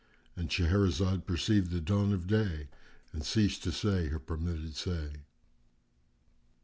——And Shahrazad perceived the dawn of day and ceased to say her permitted say.